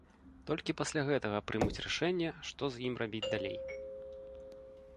Толькі пасля гэтага прымуць рашэнне, што з ім рабіць далей.